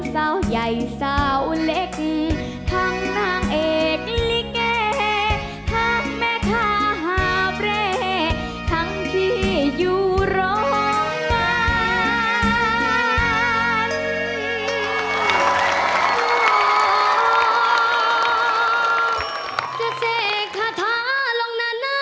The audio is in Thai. จะเสกทะทะลงหน้าท้อง